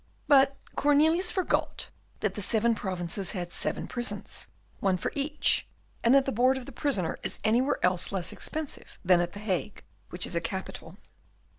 But Cornelius forgot that the Seven Provinces had seven prisons, one for each, and that the board of the prisoner is anywhere else less expensive than at the Hague, which is a capital.